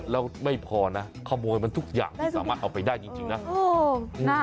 แล้วไม่พอนะขโมยมันทุกอย่างที่สามารถเอาไปได้จริงนะ